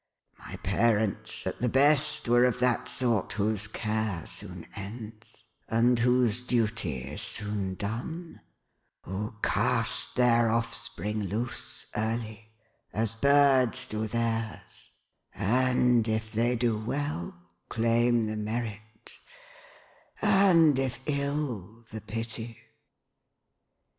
My parents, at the best, were of that sort whose care soon ends, and whose duty is soon done ; who cast their offspring loose, early, as birds do theirs ; and, if they do well, claim the merit; and, if ill, the pity."